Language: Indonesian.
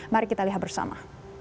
mari kita lihat bersama